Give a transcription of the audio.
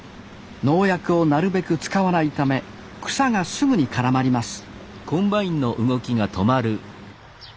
農薬をなるべく使わないため草がすぐに絡まります